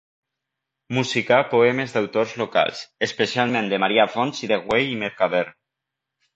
Musicà poemes d'autors locals, especialment de Marià Fonts i de Güell i Mercader.